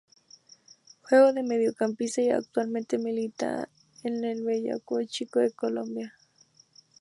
Juega de mediocampista y actualmente milita en el Boyacá Chicó de Colombia.